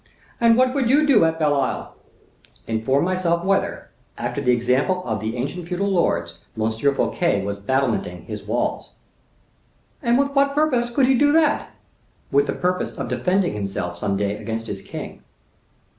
"And what would you do at Belle Isle?" "Inform myself whether, after the example of the ancient feudal lords, M. Fouquet was battlementing his walls." "And with what purpose could he do that?" "With the purpose of defending himself someday against his king."